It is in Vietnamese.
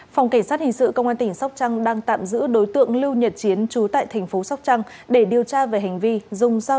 phòng cảnh sát hình sự công an tỉnh sóc trăng đang tạm giữ đối tượng lưu nhật chiến